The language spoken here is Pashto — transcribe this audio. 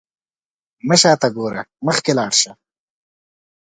مه شاته ګوره، مخکې لاړ شه.